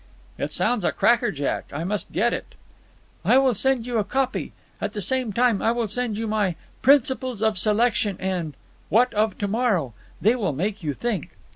"It sounds a crackerjack. I must get it." "I will send you a copy. At the same time I will send you my 'Principles of Selection' and 'What of To morrow?' They will make you think."